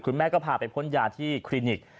แม่ก็พาไปพ่นยาที่คลินิก